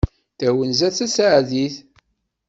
Tawenza taseɛdit.